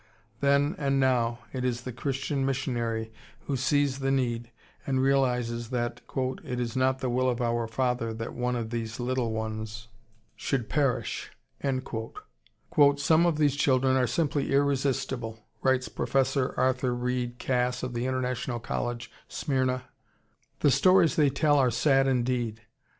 Then and now it is the Christian missionary who sees the need and realizes that "it is not the will of our Father that one of these little ones should perish." "Some of these children are simply irresistible," writes Professor Arthur Reed Cass of the International College, Smyrna, "The stories they tell are sad indeed.